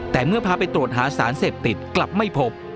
แต่เมื่อพาไปตรวจหาสารเสพติดกลับไม่พบ